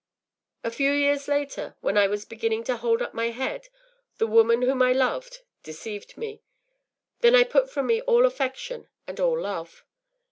A few years later, when I was beginning to hold up my head, the woman whom I loved deceived me. Then I put from me all affection and all love.